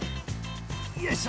よいしょ！